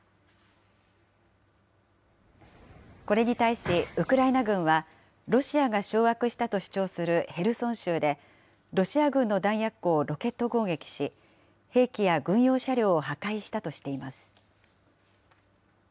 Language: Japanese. これに対し、ウクライナ軍はロシアが掌握したと主張するヘルソン州で、ロシア軍の弾薬庫をロケット攻撃し、兵器や軍用車両を破壊したとしています。